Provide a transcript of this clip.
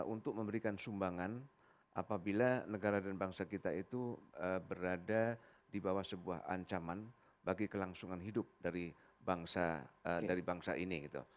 untuk memberikan sumbangan apabila negara dan bangsa kita itu berada di bawah sebuah ancaman bagi kelangsungan hidup dari bangsa dari bangsa ini